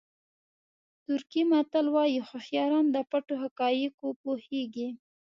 ترکي متل وایي هوښیاران د پټو حقایقو پوهېږي.